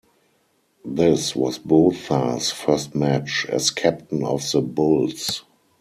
This was Botha's first match as captain of the Bulls.